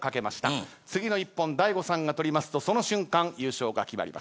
次の一本大悟さんが取りますとその瞬間優勝が決まります。